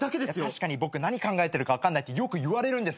確かに僕何考えてるか分かんないってよく言われるんです。